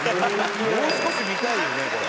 もう少し見たいよね。